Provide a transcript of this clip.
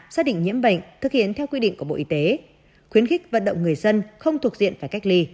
xác định nhiễm bệnh thực hiện theo quy định của bộ y tế khuyến khích vận động người dân không thuộc diện phải cách ly